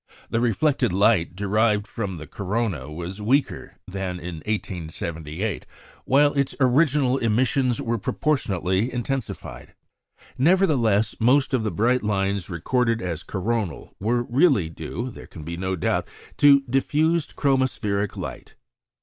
The reflected light derived from the corona was weaker than in 1878, while its original emissions were proportionately intensified. Nevertheless, most of the bright lines recorded as coronal were really due, there can be no doubt, to diffused chromospheric light.